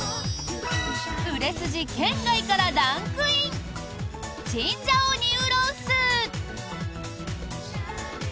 売れ筋圏外からランクインチンジャオニウロウスー。